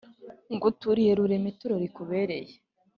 Nguturiye rurema ituro rikubereye